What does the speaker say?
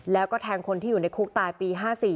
แล้วก็แทงคนที่อยู่ในคุกตายปี๕๔